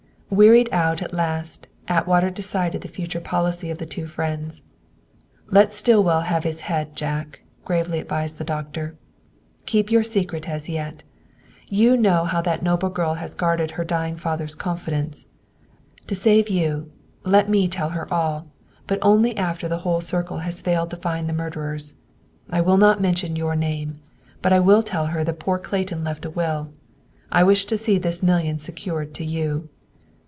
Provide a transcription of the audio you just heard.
Wearied out at last, Atwater decided the future policy of the two friends. "Let Stillwell have his head, Jack," gravely advised the doctor. "Keep your secret as yet. You know how that noble girl has guarded her dying father's confidence. To save you, let me tell her all, but only after the whole circle has failed to find the murderers. I will not mention your name. But I will tell her that poor Clayton left a will. I wish to see this million secured to you.